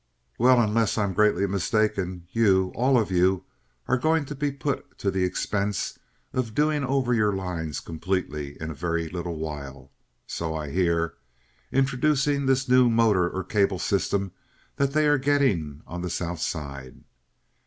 "Well, unless I'm greatly mistaken, you, all of you, are going to be put to the expense of doing over your lines completely in a very little while—so I hear—introducing this new motor or cable system that they are getting on the South Side."